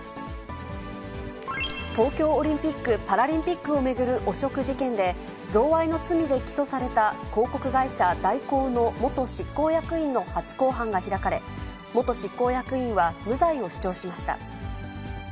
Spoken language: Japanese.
東京オリンピック・パラリンピックを巡る汚職事件で、贈賄の罪で起訴された広告会社、大広の元執行役員の初公判が開かれ、元執行役員は無罪を主張しました。